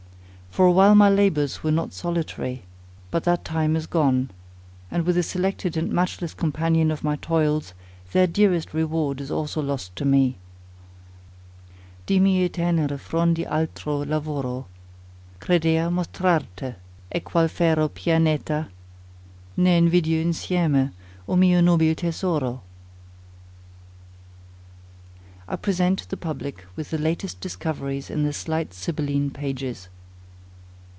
For awhile my labours were not solitary; but that time is gone; and, with the selected and matchless companion of my toils, their dearest reward is also lost to me— Di mie tenere frondi altro lavoro Credea mostrarte; e qual fero pianeta Ne' nvidiò insieme, o mio nobil tesoro? I present the public with my latest discoveries in the slight Sibylline pages.